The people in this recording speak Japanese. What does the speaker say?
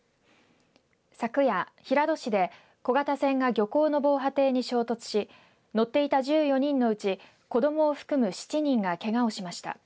昨夜、平戸市で小型船が漁港の防波堤に衝突し乗っていた１４人のうち子どもを含む７人がけがをしました。